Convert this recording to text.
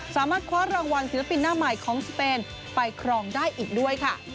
สามารถคว้ารางวัลศิลปินหน้าใหม่ของสเปนไปครองได้อีกด้วยค่ะ